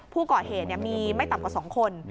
ผู้ก่อเหตุมีไม่ต่ำกว่า๒คน